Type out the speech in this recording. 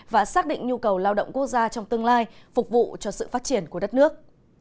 và xác định nhu cầu lao động quốc gia trong tương lai phục vụ cho sự phát triển của đất nước